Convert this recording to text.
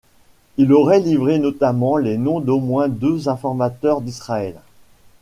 Il aurait livré notamment les noms d'au moins deux informateurs d'Israël.